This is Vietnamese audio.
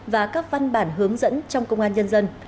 và các văn bản hướng dẫn trong công an nhân dân